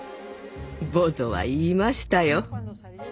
ボゾは言いましたよ。